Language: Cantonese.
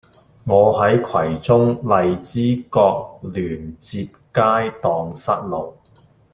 我喺葵涌荔枝角聯接街盪失路